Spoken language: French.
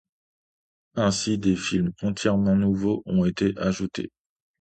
Ainsi, des films entièrement nouveaux ont été ajoutés.